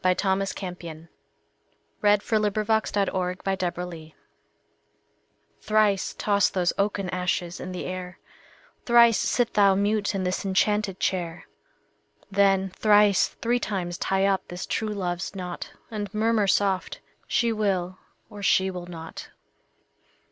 Thomas Campion Thrice Toss Those Oaken Ashes in the Air THRICE toss those oaken ashes in the air; Thrice sit thou mute in this enchanted chair; Then thrice three times tie up this true love's knot, And murmur soft: "She will, or she will not."